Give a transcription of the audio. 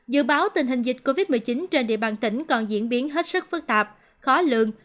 dự báo tình hình dịch covid một mươi chín trên địa bàn tỉnh còn diễn biến hết sức phức tạp khó lường